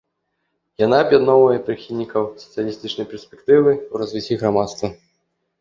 Яна аб'ядноўвае прыхільнікаў сацыялістычнай перспектывы ў развіцці грамадства.